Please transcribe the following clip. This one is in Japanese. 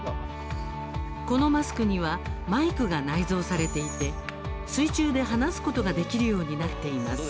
このマスクにはマイクが内蔵されていて水中で話すことができるようになっています。